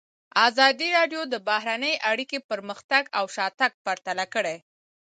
ازادي راډیو د بهرنۍ اړیکې پرمختګ او شاتګ پرتله کړی.